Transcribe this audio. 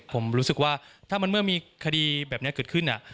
ผมรู้สึกว่าถ้ามันเมื่อมีคดีแบบนี้เกิดขึ้น